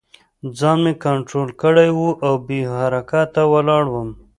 ځان مې کنترول کړی و او بې حرکته ولاړ وم